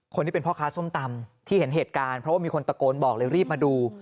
คนที่เป็นพ่อค้าส้มตำที่เห็นเหตุการณ์เพราะว่ามีคนตะโกนบอกเลยรีบมาดู